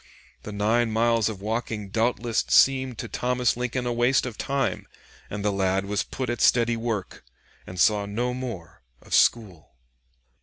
The nine miles of walking doubtless seemed to Thomas Lincoln a waste of time, and the lad was put at steady work and saw no more of school.